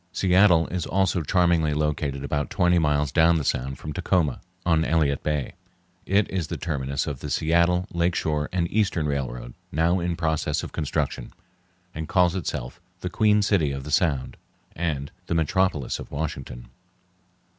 Seattle is also charmingly located about twenty miles down the Sound from Tacoma, on Elliott Bay. It is the terminus of the Seattle, Lake Shore, and Eastern Railroad, now in process of construction, and calls itself the "Queen City of the Sound" and the "Metropolis of Washington."